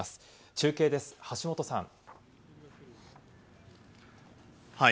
中継です、橋本さん。